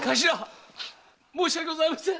申し訳ございません！